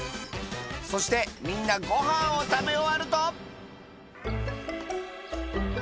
そしてみんなごはんを食べ終わると